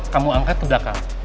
kamu angkat ke belakang